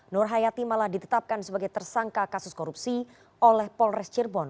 nur hayati malah ditetapkan sebagai tersangka kasus korupsi oleh polres cirebon